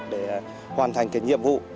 để hoàn thành cái nhiệm vụ